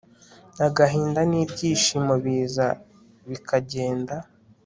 agahinda nibyishimo biza bikagenda